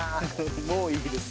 もういいです。